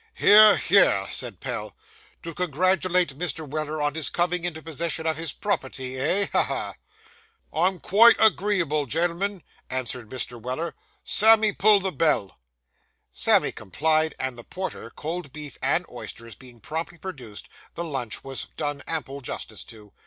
'Hear, hear!' said Pell; 'to congratulate Mr. Weller, on his coming into possession of his property, eh? Ha! ha!' 'I'm quite agreeable, gen'l'm'n,' answered Mr. Weller. 'Sammy, pull the bell.' Sammy complied; and the porter, cold beef, and oysters being promptly produced, the lunch was done ample justice to.